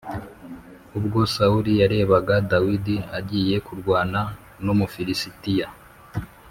Ubwo Sawuli yarebaga Dawidi agiye kurwana n’Umufilisitiya